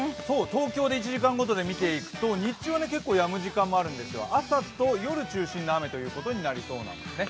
東京で１時間ごとに見ていくと日中はやむ時間もあるんですが朝と夜中心の雨ということになりそうなんですね。